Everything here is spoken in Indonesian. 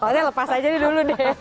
pokoknya lepas aja dulu deh